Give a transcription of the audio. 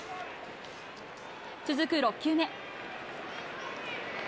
続く６球目。